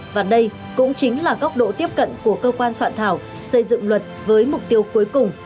và đây cũng chính là góc độ tiếp cận của cơ quan soạn thảo xây dựng luật với mục tiêu cuối cùng